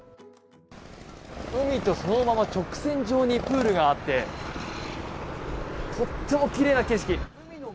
海とそのまま直線上にプールがあってとても奇麗な景色。